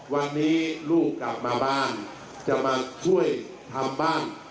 วันนี้ลูกกลับมาบ้านจะมาช่วยทำบ้าน